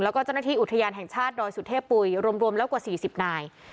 แล้วก็เจ้าหน้าที่อุทยานแห่งชาติดอยสุเทพปุ๋ยรวมแล้วกว่า๔๐นาย